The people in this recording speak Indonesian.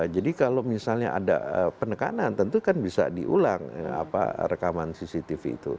jadi kalau misalnya ada penekanan tentu kan bisa diulang apa rekaman cctv itu